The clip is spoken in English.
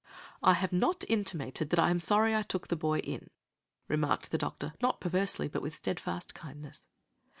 "I have not intimated that I am sorry I took the boy in," remarked the doctor, not perversely, but with steadfast kindness.